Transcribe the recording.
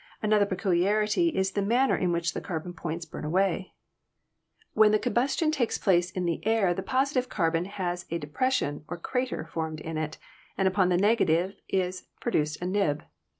Another pecul iarity is the manner in which the carbon points burn away. HISTORY OF ELECTRIC LIGHTING 227 When the combustion takes place in the air the positive carbon has a depression or "crater" formed in it, and upon the negative is produced a nib.